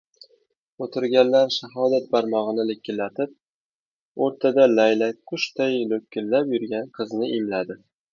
O‘tirganlar shahodat barmog‘ini likillatib, o‘rtada laylakqushday lo‘killab yurgan qizni imladi.